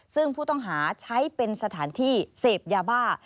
ซึ่งผู้ต้องหาใช้เป็นสถานที่เสพยาบ้า